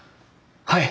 はい！